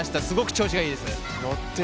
すごく調子がいいです。